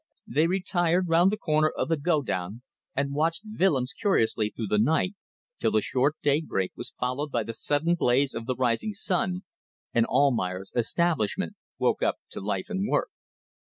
They retired round the corner of the godown and watched Willems curiously through the night, till the short daybreak was followed by the sudden blaze of the rising sun, and Almayer's establishment woke up to life and work.